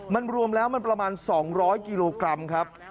มันรวมแล้วมันประมาณ๒๐๐กิโลกรัมครับ